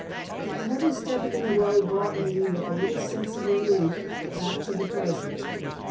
A heavy step in the road brought me, with a little sense of relief, back to the present.